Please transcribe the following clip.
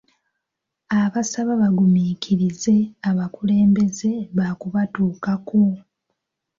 Abasaba bagumiikirize abakulembeze baakubatuukako.